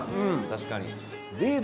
確かに。